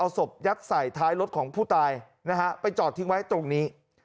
ศพยัดใส่ท้ายรถของผู้ตายนะฮะไปจอดทิ้งไว้ตรงนี้